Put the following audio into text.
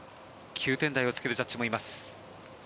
９点台をつけるジャッジもいます。